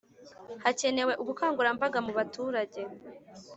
Hakenewe ubukangurambaga mu baturage